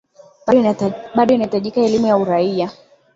bado inahitajika elimu ya uraia